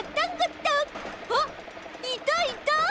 あっいたいた！